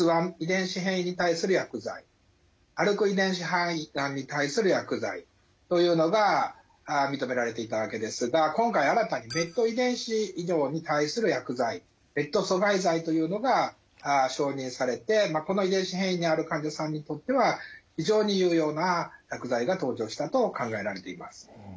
肺がんに対する薬剤というのが認められていたわけですが今回新たにＭＥＴ遺伝子異常に対する薬剤ＭＥＴ阻害剤というのが承認されてこの遺伝子変異にある患者さんにとっては非常に有用な薬剤が登場したと考えられています。